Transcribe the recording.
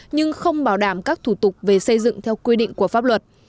nhưng không bảo đảm các thủ tục về xây dựng theo quy định của pháp luật